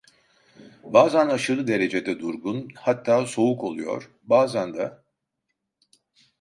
Bazan aşırı derecede durgun, hatta soğuk oluyor, bazan da.